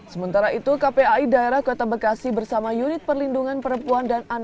sementara itu kpi daerah kota bekasi bersama unit perlindungan perempuan dan perempuan